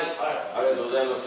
ありがとうございます。